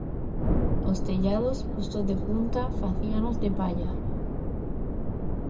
Os tellados, postos de punta, facíanos de palla.